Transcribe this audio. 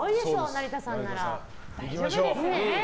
成田さんなら大丈夫ですよね。